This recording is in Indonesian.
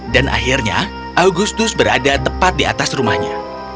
dan akhirnya augustus berada tepat di atas rumahnya